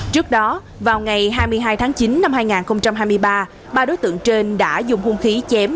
trước đó vào ngày hai mươi hai tháng chín năm hai nghìn hai mươi ba ba đối tượng trên đã dùng hung khí chém